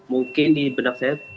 mungkin di benak saya